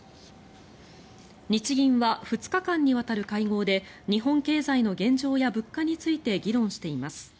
日銀は２日間にわたる会合で日本経済の現状や物価について議論しています。